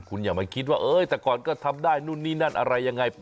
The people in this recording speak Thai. คุณอย่ามาคิดว่าแต่ก่อนก็ทำได้นู่นนี่นั่นอะไรยังไง